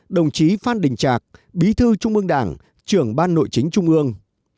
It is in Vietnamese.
hai mươi một đồng chí phan đình trạc bí thư trung ương đảng trưởng ban nội chính trung ương